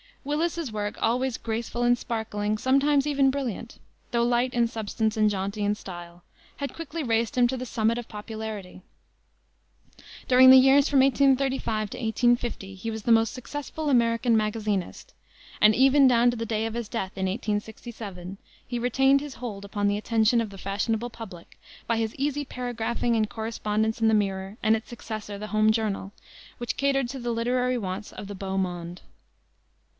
Willis's work, always graceful and sparkling, sometimes even brilliant, though light in substance and jaunty in style, had quickly raised him to the summit of popularity. During the years from 1835 to 1850 he was the most successful American magazinist, and even down to the day of his death, in 1867, he retained his hold upon the attention of the fashionable public by his easy paragraphing and correspondence in the Mirror and its successor, the Home Journal, which catered to the literary wants of the beau monde.